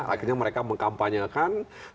akhirnya mereka mengkampanyekan